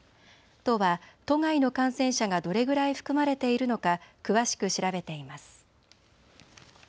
都は都外の感染者がどれぐらい含まれているのか詳しく調べています。